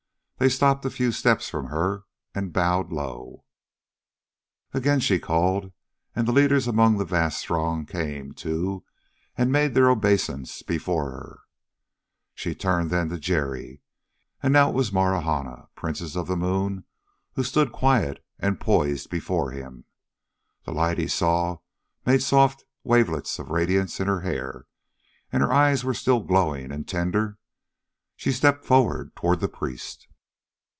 They stopped a few steps from her and bowed low. Again she called, and the leaders among the vast throng came, too, and made their obeisance before her. She turned then to Jerry. And now it was Marahna, Princess of the Moon, who stood quiet and poised before him. The light, he saw, made soft wavelets of radiance in her hair, and her eyes were still glowing and tender. She stepped forward toward the priest.